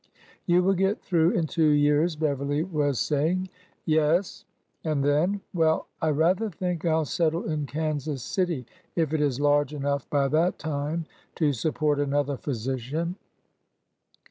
You will get through in two years Beverly was mying. Yes,'' And then?" ." Well, I rather think I 'll settle in Kansas City, if it is large enough by that time to support another physician.